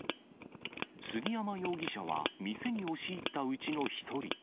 杉山容疑者は店に押し入ったうちの１人。